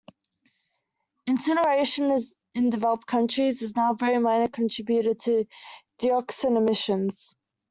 Incineration in developed countries is now a very minor contributor to dioxin emissions.